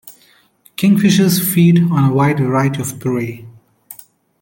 Kingfishers feed on a wide variety of prey.